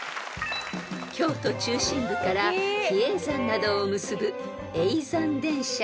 ［京都中心部から比叡山などを結ぶ］